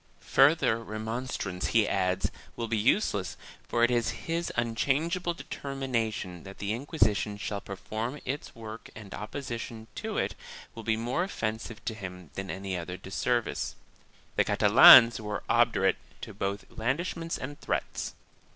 Further remonstrance, he adds, will be useless for it is his unchangeable de termination that the Inquisition shall perform its work and oppo sition to it will be more offensive to him than any other disservice.4 The Catalans were obdurate to both blandishments and threats.